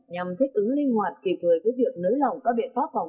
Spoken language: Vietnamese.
nhằm thích ứng linh hoạt kịp thời với việc nới lỏng các biện pháp phòng